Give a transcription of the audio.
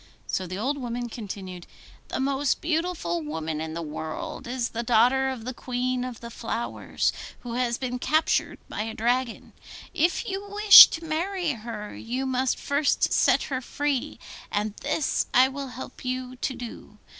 So the old woman continued, 'The most beautiful woman in the whole world is the daughter of the Queen of the Flowers, who has been captured by a dragon. If you wish to marry her, you must first set her free, and this I will help you to do.